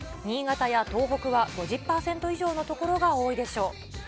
新潟や東北は５０％以上の所が多いでしょう。